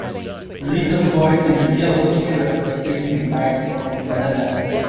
A little boy in a yellow teeshirt is taking a bite of a banana.